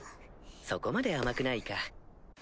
そこまで甘くないか。